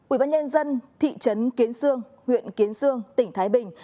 ủy ban nhân dân thị trấn kiến sương huyện kiến sương tỉnh thái bình